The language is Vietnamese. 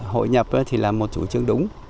hội nhập thì là một chủ trương đúng